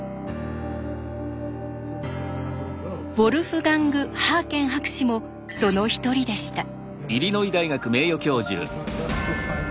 ウォルフガング・ハーケン博士もその一人でした。